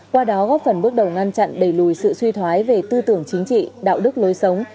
qua đó góp phần bước đầu ngăn chặn đẩy lùi sự suy thoái về tư tưởng chính trị đạo đức lối sống